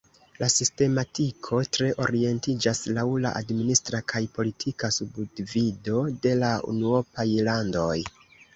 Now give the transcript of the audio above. La sistematiko tre orientiĝas laŭ la administra kaj politika subdivido de la unuopaj landoj.